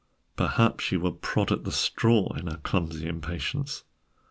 Perhaps she would prod at the straw in her clumsy impatience.